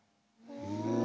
へえ。